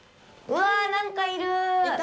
うわあ、何かいる！